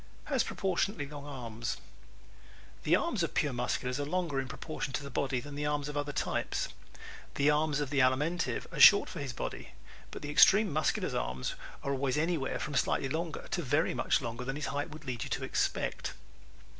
Has Proportionately Long Arms ¶ The arms of pure Musculars are longer in proportion to the body than the arms of other types. The arms of the Alimentive are short for his body but the extreme Muscular's arms are always anywhere from slightly longer to very much longer than his height would lead you to expect.